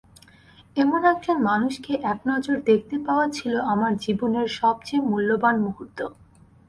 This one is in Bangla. এমন একজন মানুষকে একনজর দেখতে পাওয়া ছিল আমার জীবনের সবচেয়ে মূল্যবান মুহূর্ত।